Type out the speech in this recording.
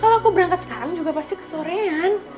kalau aku berangkat sekarang juga pasti ke sorean